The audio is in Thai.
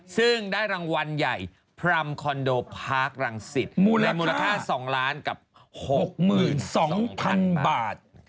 ซึ่งได้รางวัลใหญ่พรรมคอนโดพาร์ครังสิตมีมูลค่า๒ล้านกับ๖๒๐๐๐บาท